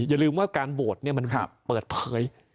อย่าลืมว่าการโหวตมันเปิดเผย